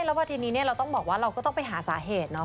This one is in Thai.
แล้วพอทีนี้เราต้องบอกว่าเราก็ต้องไปหาสาเหตุเนาะ